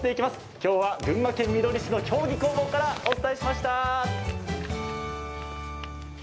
今日は群馬県みどり市の経木工房からお伝えしました。